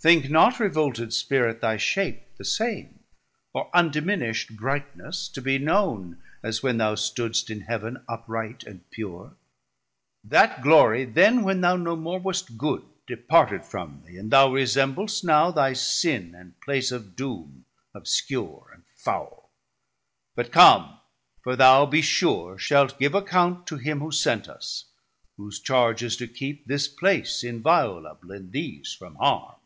Think not, revolted Spirit, thy shape the same, Or undiminisht brightness, to be known As when thou stoodst in Heav'n upright and pure; That Glorie then, when thou no more wast good, Departed from thee, and thou resembl'st now Thy sin and place of doom obscure and foule. 840 But come, for thou, be sure, shalt give account To him who sent us, whose charge is to keep This place inviolable, and these from harm.